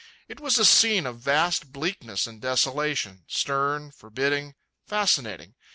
It was a scene of vast bleakness and desolation, stern, forbidding, fascinating.